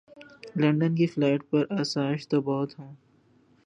London کے flat پر آسائش تو بہت ہوں۔